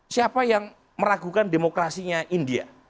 siapa yang meragukan demokrasinya india